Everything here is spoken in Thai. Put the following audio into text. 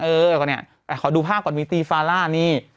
เออก่อนเนี่ยขอดูภาพก่อนวิตีฟาล่านี่